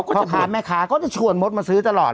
พ่อค้าแม่ค้าก็จะชวนมดมาซื้อตลอด